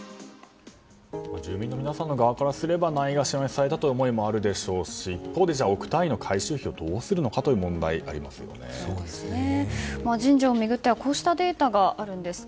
住民の皆様の側からしたらないがしろにされたという思いもあるでしょうし一方で億単位の改修をどうするのかという神社を巡ってはこうしたデータがあります。